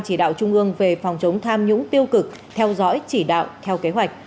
chỉ đạo trung ương về phòng chống tham nhũng tiêu cực theo dõi chỉ đạo theo kế hoạch